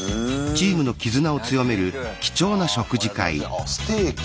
あステーキ。